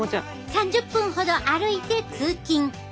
３０分ほど歩いて通勤。